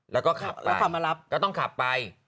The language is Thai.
แล้วก็ขับไปก็ต้องขับไป